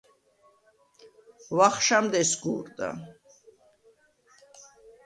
ვახშამდ ესგუ̄რდა.